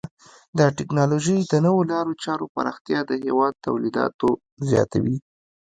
د ټکنالوژۍ د نوو لارو چارو پراختیا د هیواد تولیداتو زیاتوي.